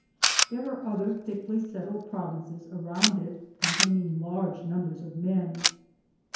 There are other thickly settled provinces around it con taining large numbers of men.